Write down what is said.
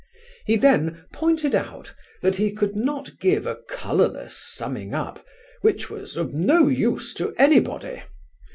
He then pointed out that he could not give a colourless summing up, which was "of no use to anybody."